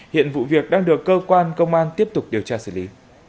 hiện vụ việc đang được cơ quan công an tiếp tục điều tra xử lý